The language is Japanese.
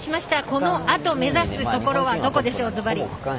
このあと目指すところはズバリ、どこでしょう？